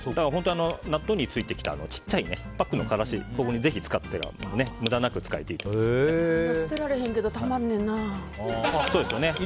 納豆についてきた小さいパックのからしをここにぜひ使うと捨てられへんけどたまんねんな。